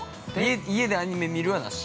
◆家でアニメ見るはなし。